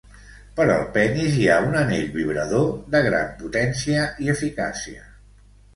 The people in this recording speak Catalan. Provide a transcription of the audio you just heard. Per al penis, hi ha un anell vibrador de gran potència i eficàcia.